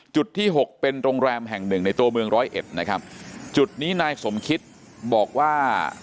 จุดที่หกเป็นโรงแรมแห่งหนึ่งในตัวเมืองร้อยเอ็ดนะครับจุดนี้นายสมคิตบอกว่า